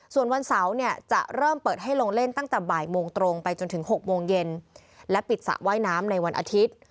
ส่วนวันเสาร์เนี่ยจะเริ่มเปิดให้ลงเล่นตั้งแต่บ่ายโมงตรงไปจนถึง๖โมงเย็นและปิดสระว่ายน้ำในวันอาทิตย์